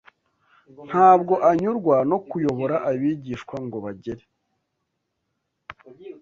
Ntabwo anyurwa no kuyobora abigishwa ngo bagere